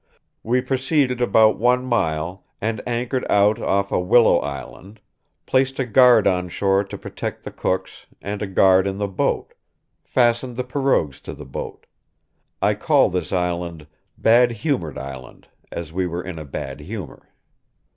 We proceeded about 1 mile & anchored out off a willow Island placed a guard on shore to protect the Cooks & a guard in the boat, fastened the Perogues to the boat, I call this Island Bad Humered Island as we were in a bad humer."